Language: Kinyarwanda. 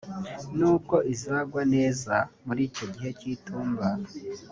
nubwo izagwa neza muri icyo gihe cy’itumba